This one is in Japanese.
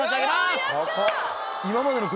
高っ。